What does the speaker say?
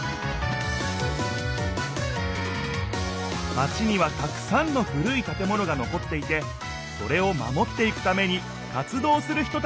マチにはたくさんの古い建物が残っていてそれを守っていくために活動する人たちがいた。